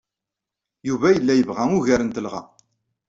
Yuba yella yebɣa ugar n telɣa.